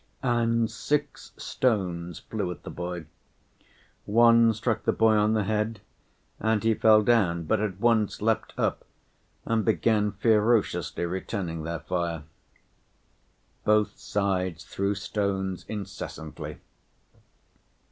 and six stones flew at the boy. One struck the boy on the head and he fell down, but at once leapt up and began ferociously returning their fire. Both sides threw stones incessantly.